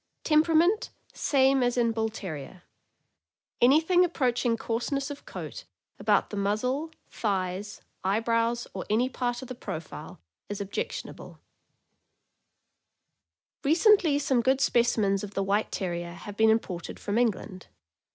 Temperament same as in Bull Ter rier. Anything approaching coarseness of coat about the muzzle, thighs, eyebrows, or any part of the profile, is objectionable. 436 THE AMERICAN BOOK OF THE DOG. Recently some good specimens of the White Terrier have been imported from England.